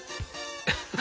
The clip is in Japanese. ハハハハ！